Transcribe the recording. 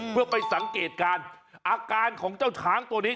เพื่อไปสังเกตการณ์อาการของเจ้าช้างตัวนี้